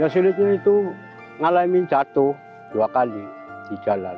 sulitnya itu ngalamin jatuh dua kali di jalan